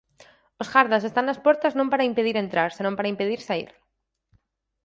Os gardas están nas portas, non para impedir entrar, senón para impedir saír.